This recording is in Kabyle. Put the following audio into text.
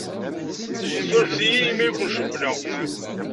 Ssurfet-iyi imi ay ken-cewwleɣ.